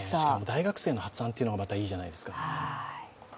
大学生の発案ってのがまたいいじゃないですか。